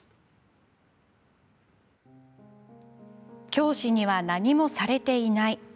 教師には何もされていない。